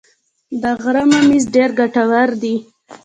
د غره ممیز ډیر ګټور دي